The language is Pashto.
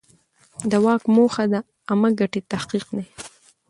د واک موخه د عامه ګټې تحقق دی.